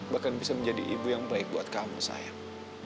bahkan bisa menjadi ibu yang baik buat kamu sayang